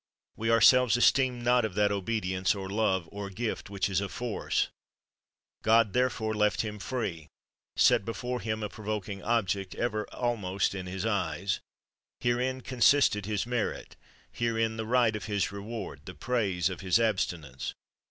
We ourselves esteem not of that obedience, or love, or gift, which is of force : God therefore left him free, set before him a provoking object, ever almost in his eyes ; here in consisted his merit, herein the right of his re ward, the praise of his abstinence.